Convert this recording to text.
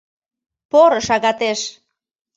— Поро шагатеш!